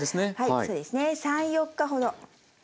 そうですね３４日ほど。